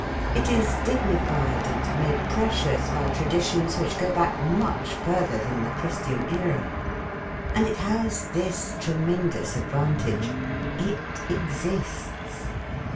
It is dignified and made precious by tra ditions which go back much further than the Christian era; and it has this tremendous advantage — it exists!